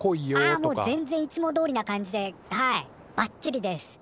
あもう全然いつもどおりな感じではいばっちりです。